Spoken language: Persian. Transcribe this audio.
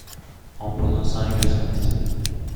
آمبولانس زنگ بزنید!